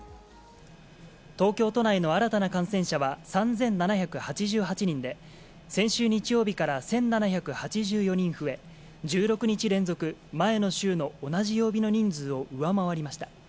東京都内の新たな感染者は３７８８人で、先週日曜日から１７８４人増え、１６日連続、前の週の同じ曜日の人数を上回りました。